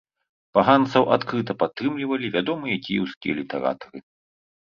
Паганцаў адкрыта падтрымлівалі вядомыя кіеўскія літаратары.